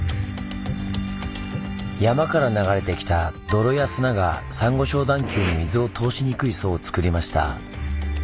山から流れてきた泥や砂がサンゴ礁段丘に水を通しにくい層をつくりました。